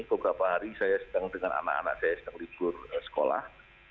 beberapa hari saya sedang dengan anak anak saya sedang libur sekolah